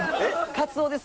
カツオです！